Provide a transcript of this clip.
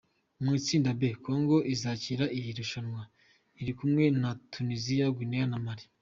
Mu itsinda B, Congo izakira iri rushanwa iri kumwe na Tuniziya, Guinea na Mali.